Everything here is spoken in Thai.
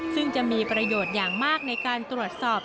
ซึ่งจะมีประโยชน์อย่างมากในการตรวจสอบ